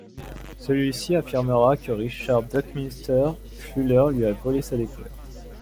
Celui-ci affirmera que Richard Buckminster Fuller lui a volé sa découverte.